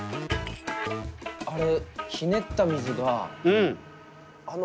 あれ。